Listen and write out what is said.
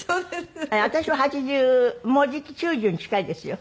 私は８０もうじき９０に近いですよ。